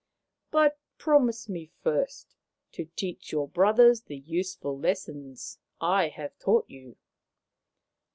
But promise first to teach your brothers the useful lessons I have taught you."